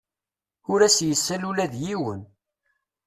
Ur as-yessal ula d yiwen.